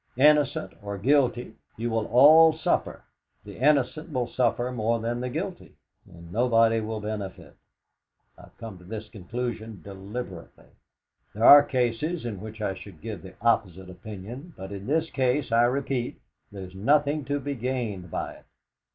Innocent and guilty, you will all suffer; the innocent will suffer more than the guilty, and nobody will benefit. I have come to this conclusion deliberately. There are cases in which I should give the opposite opinion. But in this case, I repeat, there's nothing to be gained by it.